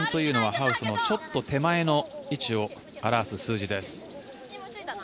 ３というのはハウスのちょっと手前の位置を表す数字です。